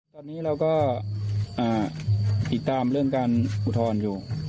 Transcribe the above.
ตอนนี้เราก็ติดตามเรื่องการอุทธรณ์อยู่